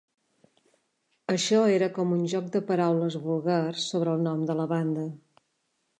Això era com un joc de paraules vulgar sobre el nom de la banda.